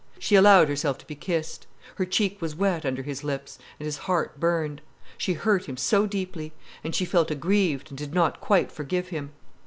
She allowed herself to be kissed. Her cheek was wet under his lips, and his heart burned. She hurt him so deeply. And she felt aggrieved, and did not quite forgive him.